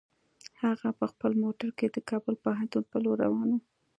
هغه په خپل موټر کې د کابل پوهنتون په لور روان و.